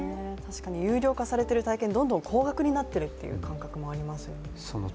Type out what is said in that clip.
有料化されている体験がどんどん高額になっているという気がしますよね。